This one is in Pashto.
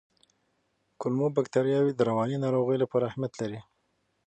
کولمو بکتریاوې د رواني ناروغیو لپاره اهمیت لري.